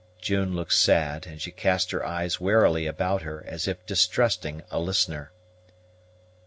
June looked sad, and she cast her eyes warily about her, as if distrusting a listener.